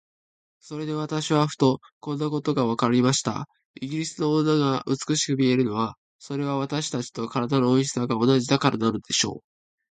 それで私はふと、こんなことがわかりました。イギリスの女が美しく見えるのは、それは私たちと身体の大きさが同じだからなのでしょう。